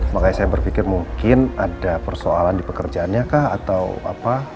makanya saya berpikir mungkin ada persoalan di pekerjaannya kah atau apa